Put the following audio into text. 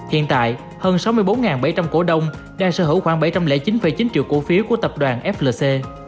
hiện tại hơn sáu mươi bốn bảy trăm linh cổ đông đang sở hữu khoảng bảy trăm linh chín chín triệu cổ phiếu của tập đoàn flc